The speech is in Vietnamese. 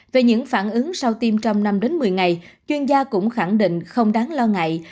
về những phản ứng sau tiêm trong năm đến một mươi ngày chuyên gia cũng khẳng định không đáng lo ngại